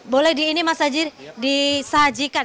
boleh di ini mas anzir disajikan